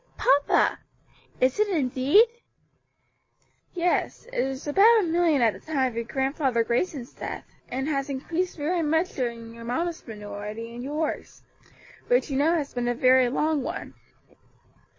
"Papa! is it indeed?" "Yes, it was about a million at the time of your Grandfather Grayson's death, and has increased very much during your mamma's minority and yours; which you know has been a very long one.